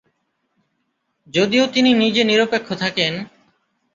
যদিও তিনি নিজে নিরপেক্ষ থাকেন।